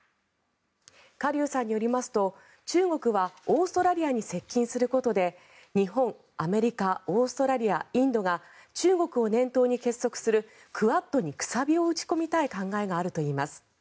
カ・リュウさんによりますと中国はオーストラリアに接近することで日本、アメリカ、オーストラリアインドが中国を念頭に結束するクアッドに楔を打ち込みたい考えがあるといいます。